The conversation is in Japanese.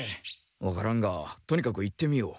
わからんがとにかく行ってみよう。